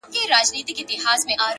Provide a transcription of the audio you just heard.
هوډ د ستونزو منځ کې لار جوړوي.!